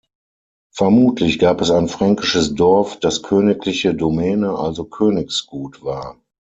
Vermutlich gab es ein fränkisches Dorf, das königliche Domäne, also Königsgut, war.